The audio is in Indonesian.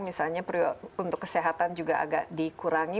misalnya untuk kesehatan juga agak dikurangi